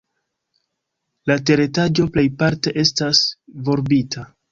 La teretaĝo plejparte estas volbita.